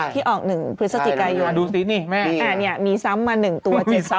ที่ออก๑พฤศจิกายนมีซ้ำมา๑ตัว๗๓